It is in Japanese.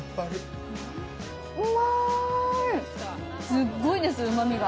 すっごいです、うまみが。